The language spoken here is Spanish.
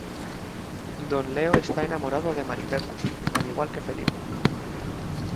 Don Leo está enamorado de Mary Pepa, al igual que Felipe.